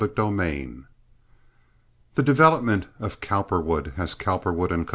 Chapter XIV The development of Cowperwood as Cowperwood & Co.